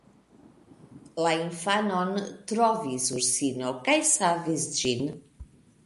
La infanon trovis ursino kaj savis ĝin.